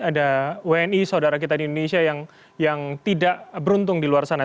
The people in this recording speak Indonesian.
ada wni saudara kita di indonesia yang tidak beruntung di luar sana